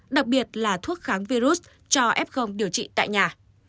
đặc biệt là thuốc kháng virus cho f điều trị tại nhà